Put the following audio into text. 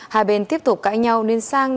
hai bên tiếp tục cãi nhau nên sang